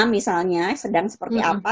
misalnya sedang seperti apa